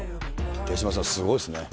手嶋さん、すごいですね。